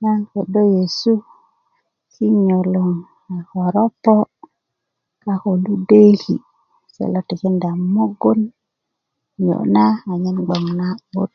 nan ködö yesu kinyo loŋ a koropo a ko ludweki se lo tikinda mugun niyo' na anyen gboŋ na'but